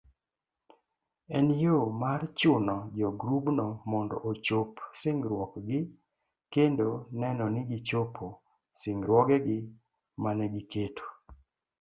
En yo mar chuno jogrubno mondo ochop singruokgi kendo neno ni gichopo singruogegi manegiketo